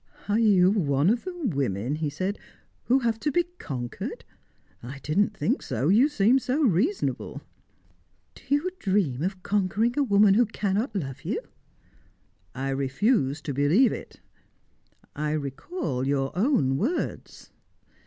"Are you one of the women," he said, "who have to be conquered? I didn't think so. You seemed so reasonable." "Do you dream of conquering a woman who cannot love you?" "I refuse to believe it. I recall your own words."